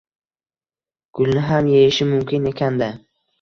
gulni ham yeyishi mumkin ekanda?